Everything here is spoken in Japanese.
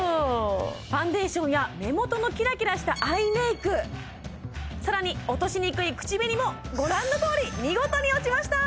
ファンデーションや目元のキラキラしたアイメイクさらに落としにくい口紅もご覧のとおり見事に落ちました